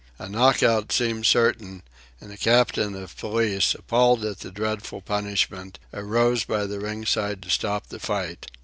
A knock out seemed certain, and a captain of police, appalled at the dreadful punishment, arose by the ringside to stop the fight.